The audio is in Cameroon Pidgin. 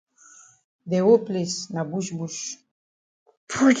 De whole place na bush bush.